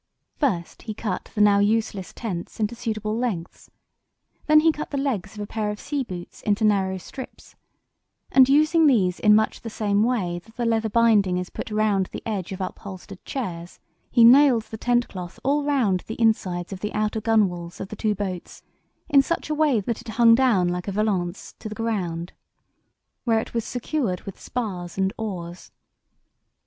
First he cut the now useless tents into suitable lengths; then he cut the legs of a pair of seaboots into narrow strips, and using these in much the same way that the leather binding is put round the edge of upholstered chairs, he nailed the tent cloth all round the insides of the outer gunwales of the two boats in such a way that it hung down like a valance to the ground, where it was secured with spars and oars.